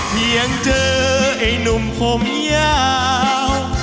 ยังเจอไอ้หนุ่มผมยาว